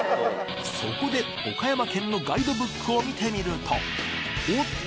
そこで岡山県のガイドブックを見てみるとおっと！